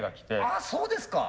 あそうですか。